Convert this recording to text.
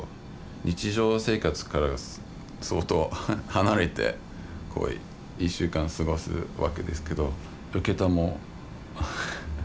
日常生活から相当離れて１週間過ごすわけですけど。